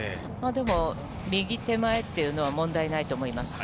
でも右手前っていうのは、問題ないと思います。